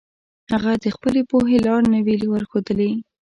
هغه د خپلې پوهې لار نه وي ورښودلي.